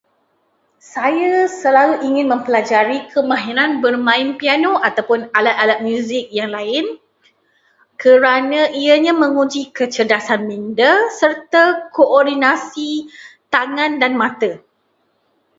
Saya selalu ingin mempelajari kemahiran bermain piano ataupun alat-alat muzik yang lain, kerana ianya menguji kecerdasan minda serta koordinasi tangan dan mata.